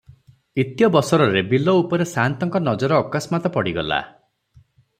ଇତ୍ୟବସରରେ ବିଲ ଉପରେ ସାଆନ୍ତଙ୍କ ନଜର ଅକସ୍ମାତ ପଡ଼ିଗଲା ।